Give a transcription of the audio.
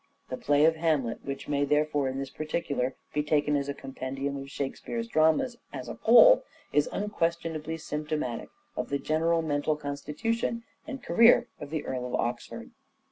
The play of " Hamlet," which may therefore, in this particular, be taken as a compendium of " Shake speare's " dramas as a whole, is unquestionably symptomatic of the general mental constitution and career of the Earl of Oxford.